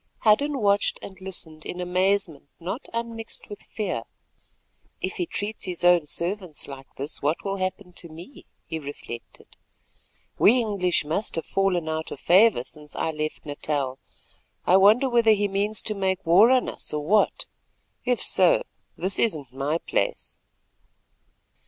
Hadden watched and listened in amazement not unmixed with fear. "If he treats his own servants like this, what will happen to me?" he reflected. "We English must have fallen out of favour since I left Natal. I wonder whether he means to make war on us or what? If so, this isn't my place."